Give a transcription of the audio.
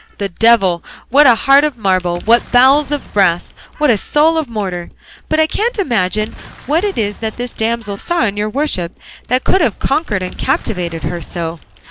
The devil! What a heart of marble, what bowels of brass, what a soul of mortar! But I can't imagine what it is that this damsel saw in your worship that could have conquered and captivated her so.